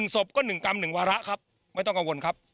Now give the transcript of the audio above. ศพก็๑กรัม๑วาระครับไม่ต้องกังวลครับ